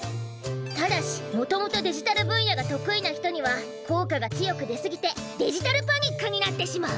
ただしもともとデジタル分野が得意な人には効果が強く出すぎてデジタルパニックになってしまう。